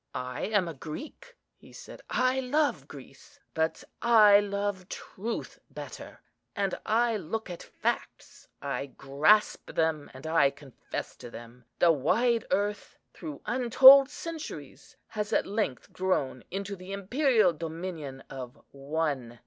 "I am a Greek," he said, "I love Greece, but I love truth better; and I look at facts. I grasp them, and I confess to them. The wide earth, through untold centuries, has at length grown into the imperial dominion of One.